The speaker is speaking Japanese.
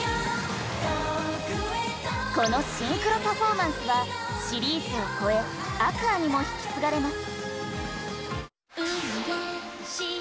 このシンクロパフォーマンスはシリーズを超えＡｑｏｕｒｓにも引き継がれます。